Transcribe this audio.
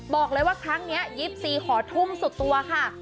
บอกเลยว่าครั้งนี้๒๔ขอทุ่มสุดตัวค่ะ